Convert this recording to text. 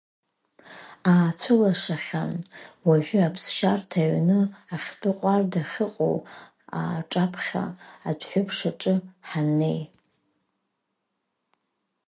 Аацәылашахьан, уажәы аԥсшьарҭа ҩны Ахьтәы ҟәара ахьыҟоу аҿаԥхьа адҳәыԥш аҿы ҳаннеи.